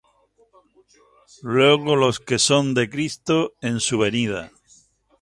luego los que son de Cristo, en su venida.